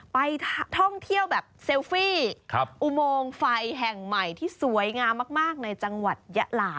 ไปท่องเที่ยวแบบเซลฟี่อุโมงไฟแห่งใหม่ที่สวยงามมากในจังหวัดยะลา